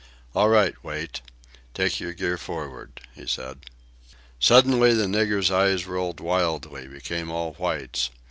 All right, Wait. Take your gear forward," he said. Suddenly the nigger's eyes rolled wildly, became all whites.